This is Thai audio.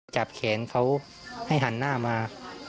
จับแขนเขาให้หันหน้ามา